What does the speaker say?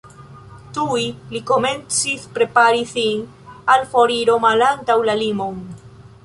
Tuj li komencis prepari sin al foriro malantaŭ la limon.